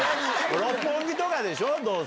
六本木とかでしょ、どうせ。